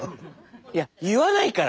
いや言わないから。